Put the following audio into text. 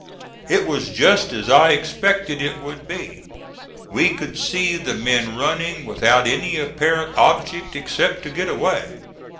It was just as I expected it would be. We could see the men running without any apparent object except to get away.